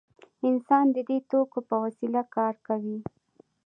انسان د دې توکو په وسیله کار کوي.